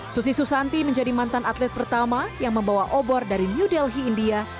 susi susanti menjadi mantan atlet pertama yang membawa obor dari new delhi india